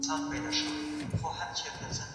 هغې په ډېر عجز سره زما له نېکو هیلو څخه مننه وکړه.